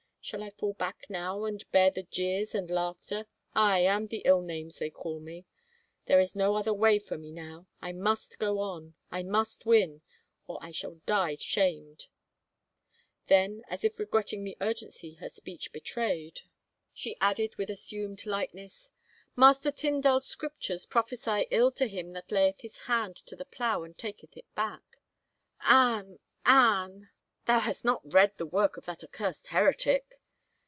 Shall I fall back now and bear the jeers and laughter, aye, and the ill names they call me ? There is no other way for me now — I must go on, I must win, or I shall die shamed !" Then, as if regretting the urgency her speech betrayed, 167 THE FAVOR OF KINGS she added with assumed lightness, " Master Tyndall's Scriptures prophesy ill to him that layeth his hand to the plough and taketh it back." " Anne — Anne — thou hast not read the work of that accursed heretic